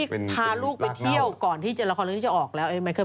พาลูกไปเที่ยวก่อนที่เจละครเรื่องนี้จะออกแล้ว